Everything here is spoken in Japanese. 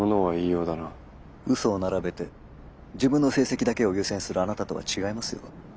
嘘を並べて自分の成績だけを優先するあなたとは違いますよ。